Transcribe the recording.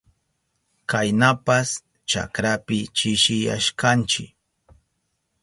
Kaynapas chakrapi chishiyashkanchi.